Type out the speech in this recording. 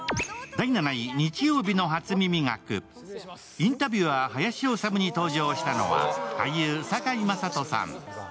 「インタビュアー林修」に登場したのは俳優・堺雅人さん。